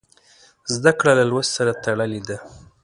زده کړه له لوست سره تړلې ده.